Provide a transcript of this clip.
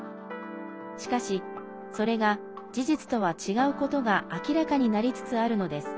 しかし、それが事実とは違うことが明らかになりつつあるのです。